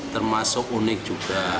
termasuk unik juga